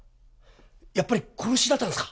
やっぱり殺しだったんですか？